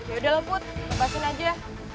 ya udah lembut lepasin aja